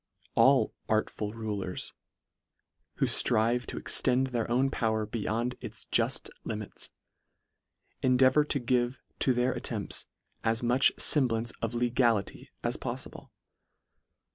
All artful rulers, who ftrive to extend their own power beyond its juft limits, endeavour to give to their attempts, as much femblance of legality as poflible.